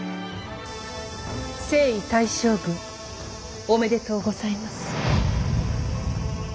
征夷大将軍おめでとうございます。